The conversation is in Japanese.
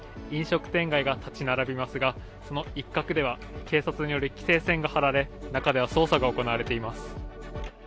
飲食店街が建ち並びますが、その一角では警察による規制線が張られ中では捜査が行われています。